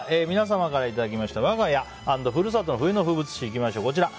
皆様からいただきました我が家＆ふるさとの“冬の風物詩”いきましょう。